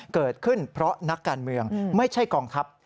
เกิดขึ้นเพราะนักการเมืองไม่ใช่กองทัพ